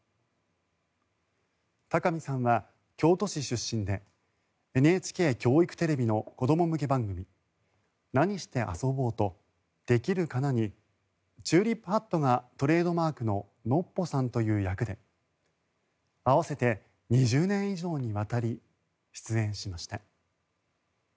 高見さんは京都市出身でＮＨＫ教育テレビの子ども向け番組「なにしてあそぼう」と「できるかな」にチューリップハットがトレードマークのノッポさんという役で合わせて２０年以上にわたり出演しました。